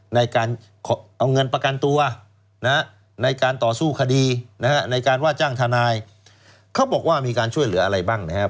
ในการเอาเงินประกันตัวในการต่อสู้คดีนะฮะในการว่าจ้างทนายเขาบอกว่ามีการช่วยเหลืออะไรบ้างนะครับ